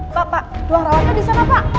pak pak dua rawatnya disana pak